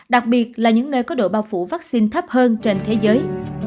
đặc biệt là những nơi có độ bao phủ vaccine thấp hơn trên thế giới